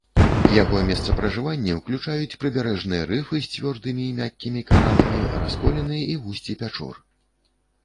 Яго месцапражыванні ўключаюць прыбярэжныя рыфы з цвёрдымі і мяккімі караламі, расколіны і вусці пячор.